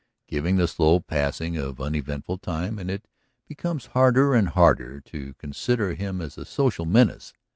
Given the slow passing of uneventful time, and it becomes hard and harder to consider him as a social menace.